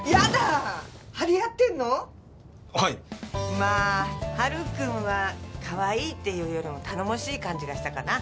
まあはるくんはかわいいっていうよりも頼もしい感じがしたかな。